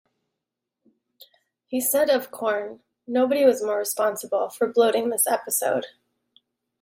He said of Corn, Nobody was more responsible for bloating this episode.